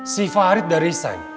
si farid udah resign